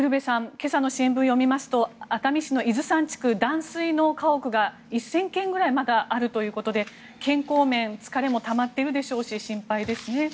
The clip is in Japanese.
今朝の新聞を読みますと熱海市の伊豆山地区断水の家屋が１０００軒ぐらいまだあるということで健康面疲れもたまっているでしょうし心配ですね。